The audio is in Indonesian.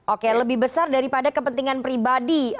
oke lebih besar daripada kepentingan pribadi